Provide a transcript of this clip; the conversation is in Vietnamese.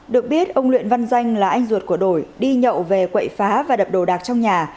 được biết ông luyện văn danh là anh ruột của đổi đi nhậu về quậy phá và đập đồ đạc trong nhà